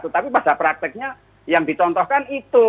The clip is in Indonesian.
tapi pada prakteknya yang dicontohkan itu